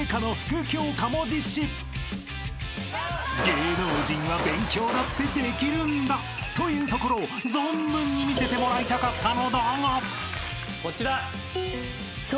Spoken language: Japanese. ［「芸能人は勉強だってできるんだ」というところを存分に見せてもらいたかったのだが］